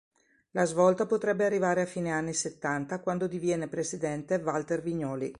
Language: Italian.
La svolta potrebbe arrivare a fine anni settanta quando diviene presidente Walter Vignoli.